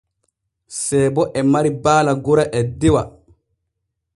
Seebo e mari baala gora e dewa.